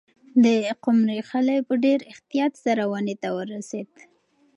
د قمرۍ خلی په ډېر احتیاط سره ونې ته ورسېد.